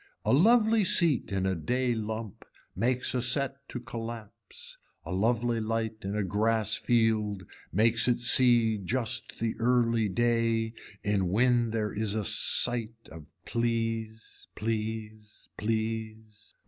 A lovely seat in a day lump makes a set to collapse, a lovely light in a grass field makes it see just the early day in when there is a sight of please please please.